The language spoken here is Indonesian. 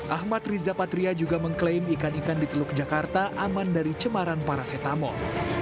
ahmad rizapatria juga mengklaim ikan ikan di teluk jakarta aman dari cemaran parasetamol